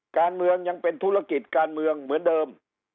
การเมืองยังเป็นธุรกิจการเมืองเหมือนเดิม